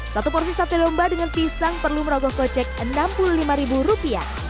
satu porsi sate domba dengan pisang perlu merogoh kocek rp enam puluh lima